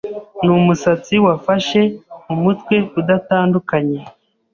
Numusatsi wafashe umutwe udatandukanye